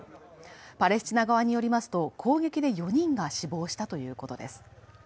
パレスチナ側によりますと、攻撃で４人が死亡したということです。